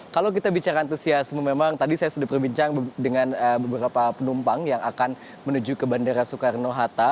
kalau kita bicara antusiasme memang tadi saya sudah berbincang dengan beberapa penumpang yang akan menuju ke bandara soekarno hatta